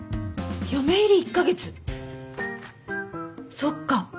そっか。